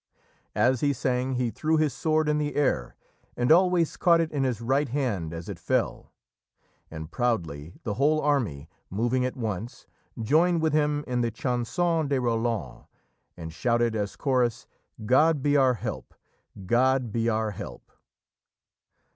As he sang, he threw his sword in the air and always caught it in his right hand as it fell, and, proudly, the whole army, moving at once, joined with him in the Chanson de Roland, and shouted, as chorus, "God be our help! God be our help!"